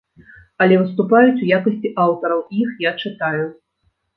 Але выступаюць у якасці аўтараў, іх я чытаю.